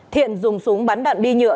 thiện dùng súng bắn đạn đi nhựa